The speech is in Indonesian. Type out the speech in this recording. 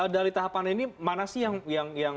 dari tahapan ini mana sih yang